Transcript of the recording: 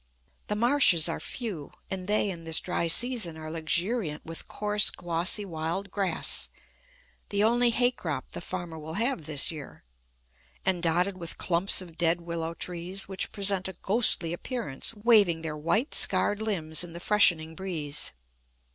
The marshes are few; and they in this dry season are luxuriant with coarse, glossy wild grass, the only hay crop the farmer will have this year, and dotted with clumps of dead willow trees, which present a ghostly appearance, waving their white, scarred limbs in the freshening breeze.